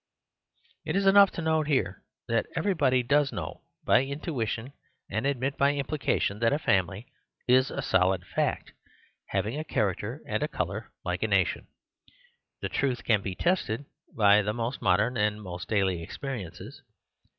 It is enough to note here that everybody does know by intuition and admit by implication that a family is a solid fact, having a charac ter and colour like a nation. The truth can be tested by the most modern and most daily experiences.